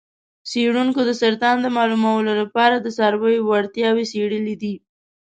څیړونکو د سرطان د معلومولو لپاره د څارویو وړتیاوې څیړلې دي.